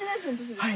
はい。